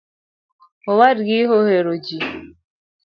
Owadgi ohero jii